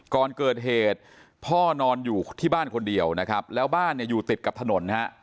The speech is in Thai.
ก่อนเกิดเหตุพ่อนอนอยู่ที่บ้านคนเดียวนะครับแล้วบ้านเนี่ยอยู่ติดกับถนนนะฮะ